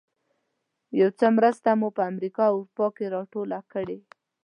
یو څه مرسته مو په امریکا او اروپا کې راټوله کړې.